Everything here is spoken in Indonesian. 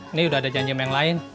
ini udah ada janjim yang lain